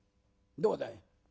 どうだい？